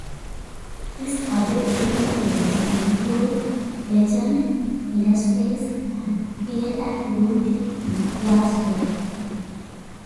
His other film credits include "Legend", "Innerspace" and "Fear and Loathing in Las Vegas".